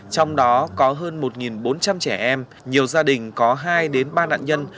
trong đó có hơn một bốn trăm linh trẻ em nhiều gia đình có hai ba nạn nhân